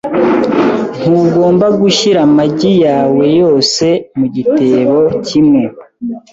Ntugomba gushyira amagi yawe yose mu gitebo kimwe .